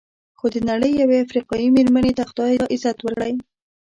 خو د نړۍ یوې افریقایي مېرمنې ته خدای دا عزت ورکړی.